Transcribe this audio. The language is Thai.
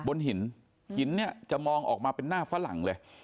บนหินหินเนี่ยจะมองออกมาเป็นหน้าฝรั่งเลย